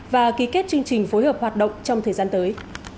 và ký kết chương trình phối hợp hoạt động trong thời gian tới